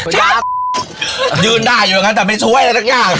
ยืนได้อยู่อย่างนั้นแต่ไม่ช่วยอะไรสักอย่าง